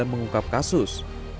yang mengungkap kasus